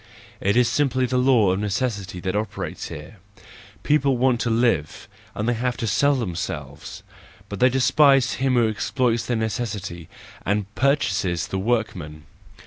It is simply the law of necessity that operates here: people want to live, and have to sell themselves; but they despise him who exploits their necessity, and purchases the workman.